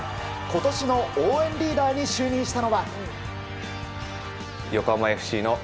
今年の応援リーダーに就任したのは。